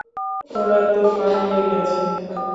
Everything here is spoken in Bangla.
ওরা তো পালিয়ে গেছে।